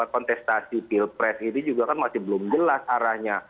kontestasi pilpres ini juga kan masih belum jelas arahnya